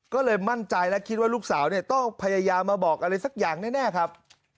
ก็เลยมั่นใจและคิดว่าลูกสาวเนี่ยต้องพยายามมาบอกอะไรสักอย่างแน่ครับ